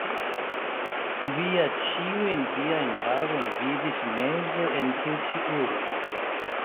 Vi ja ĉiujn viajn tagojn vivis meze en tiu ĉi urbo.